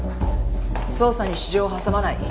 捜査に私情を挟まない。